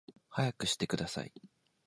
速くしてください